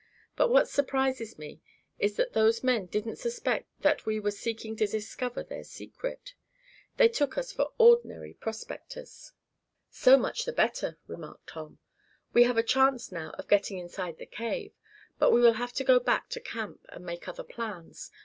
But what surprises me is that those men didn't suspect that we were seeking to discover their secret. They took us for ordinary prospectors." "So much the better," remarked Tom. "We have a chance now of getting inside that cave. But we will have to go back to camp, and make other plans.